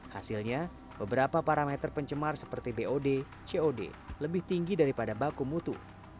hasilnya beberapa parameter pencemar seperti bod cod lebih tinggi daripada baku mutu